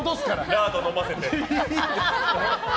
ラード飲ませて。